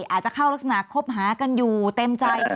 อาจจะเข้ารักษณะคบหากันอยู่เต็มใจ